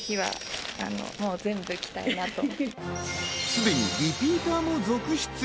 すでにリピーターも続出。